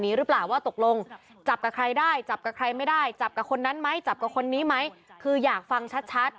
หรือเปล่าว่าตกลงจับกับใครได้จับกับใครไม่ได้จับกับคนนั้นไหมจับกับคนนี้ไหมคืออยากฟังชัดชัด